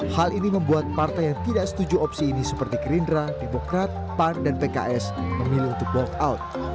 hal ini membuat partai yang tidak setuju opsi ini seperti gerindra demokrat pan dan pks memilih untuk walk out